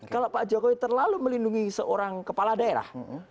kalau pak jokowi terlalu melindungi seorang kepala daerah